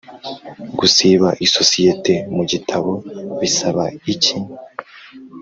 gusiba isosiyete mu gitabo bisaba iki